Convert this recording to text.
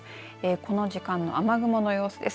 この時間の雨雲の様子です。